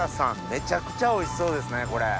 めちゃくちゃおいしそうですねこれ。